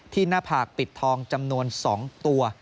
หน้าผากปิดทองจำนวน๒ตัว